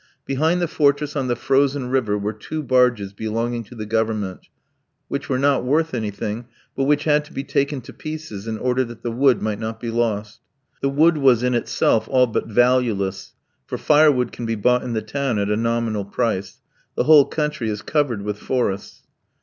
Behind the fortress on the frozen river were two barges belonging to the Government, which were not worth anything, but which had to be taken to pieces in order that the wood might not be lost. The wood was in itself all but valueless, for firewood can be bought in the town at a nominal price. The whole country is covered with forests.